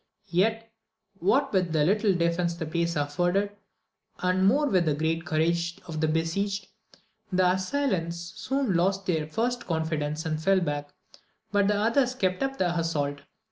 Yet, what with the little defence the place afforded, and more with the great courage of the besieged, the assailants soon lost their first confidence, and fell back ; but others kept up the assault.